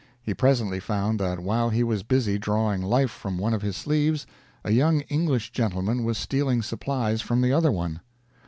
He presently found that while he was busy drawing life from one of his sleeves a young English gentleman was stealing supplies from the other one.